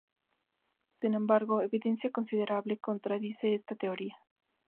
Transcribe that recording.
Sin embargo, evidencia considerable contradice esta teoría.